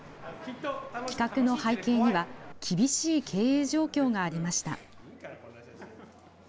企画の背景には、厳しい経営状況がありました。